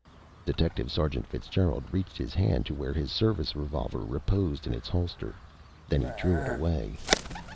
Detective Sergeant Fitzgerald reached his hand to where his service revolver reposed in its holster. Then he drew it away.